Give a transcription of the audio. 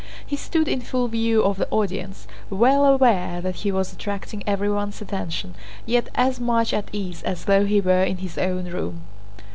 He stood in full view of the audience, well aware that he was attracting everyone's attention, yet as much at ease as though he were in his own room.